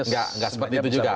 enggak enggak seperti itu juga